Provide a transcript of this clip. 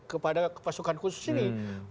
kepada pasukan khusus ini